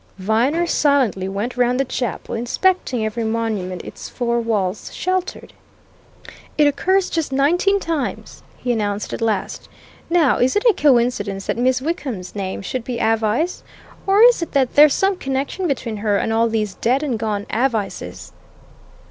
Viner silently went round the chapel, inspecting every monument its four walls sheltered. "It occurs just nineteen times," he announced at last. "Now, is it a coincidence that Miss Wickham's name should be Avice? Or is it that there's some connection between her and all these dead and gone Avices?"